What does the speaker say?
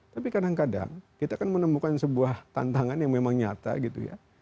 tapi kadang kadang kita kan menemukan sebuah tantangan yang memang nyata gitu ya